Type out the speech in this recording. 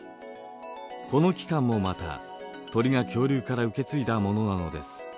この器官もまた鳥が恐竜から受け継いだものなのです。